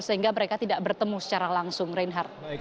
sehingga mereka tidak bertemu secara langsung reinhardt